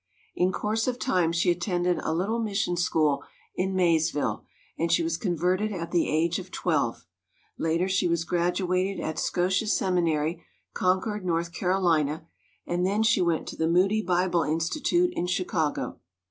In course of time she attended a little mis sion school in Mayesville, and she was con verted at the age of twelve. Later she was graduated at Scotia Seminary, Concord, Nprth Carolina, and then she went to the Moody Bible Institute in Chicago.